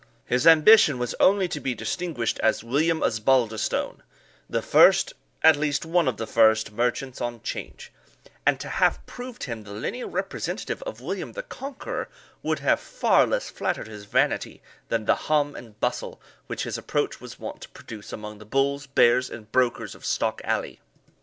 His ambition was only to be distinguished as William Osbaldistone, the first, at least one of the first, merchants on Change; and to have proved him the lineal representative of William the Conqueror would have far less flattered his vanity than the hum and bustle which his approach was wont to produce among the bulls, bears, and brokers of Stock alley.